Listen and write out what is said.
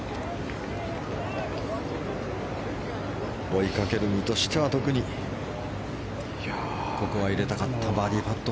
追いかける身としては特にここは入れたかったバーディーパット。